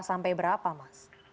sampai berapa mas